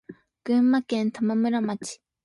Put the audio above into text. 群馬県玉村町